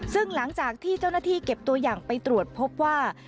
ซึ่งหลังจากที่เจ้าหน้าที่เก็บตัวอย่างไปตรวจพบว่า